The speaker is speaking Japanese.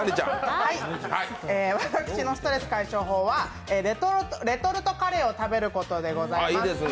私のストレス解消法はレトルトカレーを食べることでございます。